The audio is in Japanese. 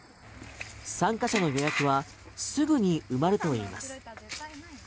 参加者の予約はすぐに埋まるといいます。